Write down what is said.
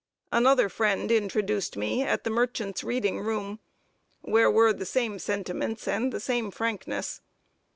Another friend introduced me at the Merchants' Reading room, where were the same sentiments and the same frankness.